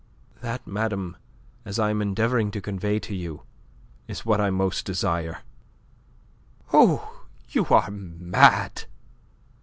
"That, madame, as I am endeavouring to convey to you, is what I most desire." "Oh, you are mad."